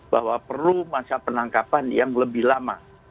bahwa perlu masa penangkapan yang lebih lama